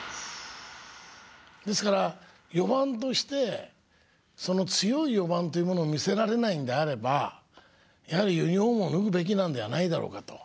ですから４番としてその強い４番というものを見せられないのであればやはりユニフォームを脱ぐべきなんではないだろうかと。